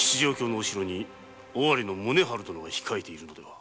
卿の後ろに尾張の宗春殿が控えているのでは？